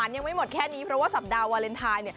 ยังไม่หมดแค่นี้เพราะว่าสัปดาห์วาเลนไทย